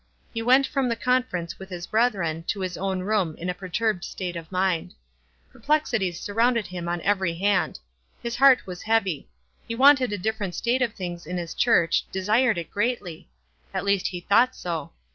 He went from the con ference with his brethren to his own room in a perturbed state of mind. Perplexities sur rounded him on every hand ; his heart was heavy f he wanted a different state of things in his church, desired it greatly ; at least he thought so.